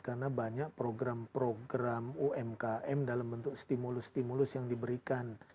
karena banyak program program umkm dalam bentuk stimulus stimulus yang diberikan